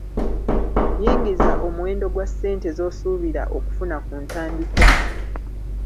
Yingiza omuwendo gwa ssente z’osuubira okufuna ku ntandikwa.